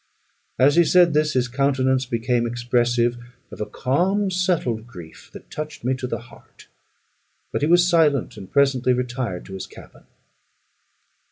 As he said this, his countenance became expressive of a calm settled grief, that touched me to the heart. But he was silent, and presently retired to his cabin.